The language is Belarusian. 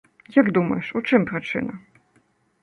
Як думаеш, у чым прычына?